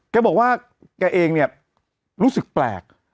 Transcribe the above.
แกบอกว่าแกเองเนี่ยรู้สึกแปลก